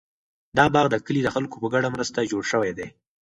دا باغ د کلي د خلکو په ګډه مرسته جوړ شوی دی.